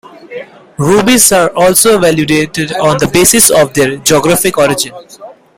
Rubies are also evaluated on the basis of their geographic origin.